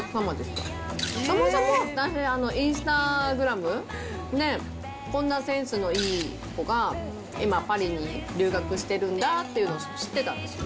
たまたま私、インスタグラムで、こんなセンスのいい子が今、パリに留学してるんだって知ってたんですよ。